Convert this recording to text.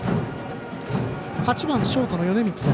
８番、ショートの米満。